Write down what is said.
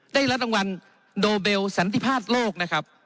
ได้รับรางวัลโดเบลสันติภาพโลกนะครับ